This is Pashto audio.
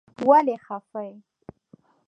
ولې خفه يې.